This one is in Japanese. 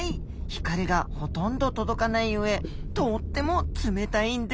光がほとんど届かない上とっても冷たいんですよ。